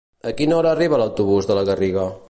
A quina hora arriba l'autobús de la Garriga?